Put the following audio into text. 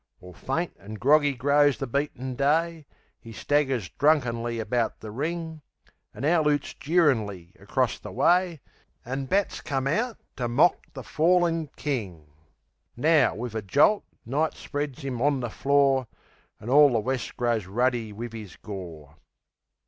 All faint an' groggy grows the beaten Day; 'E staggers drunkenly about the ring; An owl 'oots jeerin'ly across the way, An' bats come out to mock the fallin' King. Now, wiv a jolt, Night spreads 'im on the floor, An' all the west grows ruddy wiv 'is gore.